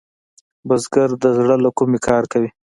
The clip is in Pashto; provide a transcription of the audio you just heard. بزګر د زړۀ له کومي کار کوي